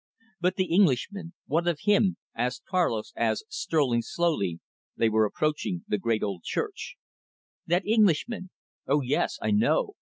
"But the Englishman! What of him?" asked Carlos, as, strolling slowly, they were approaching the great old church. "That Englishman? Oh, yes, I know.